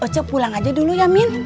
kocek pulang aja dulu ya min